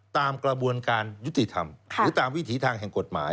ตามกระบวนการยุติธรรมหรือตามวิถีทางแห่งกฎหมาย